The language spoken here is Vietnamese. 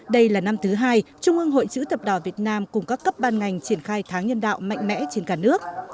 đây là năm thứ hai trung ương hội chữ thập đỏ việt nam cùng các cấp ban ngành triển khai tháng nhân đạo mạnh mẽ trên cả nước